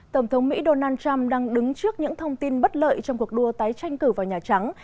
tổng thống mỹ donald trump đang đứng trước những thông tin bất lợi trong cuộc đua tái tranh cử vào nhà trắng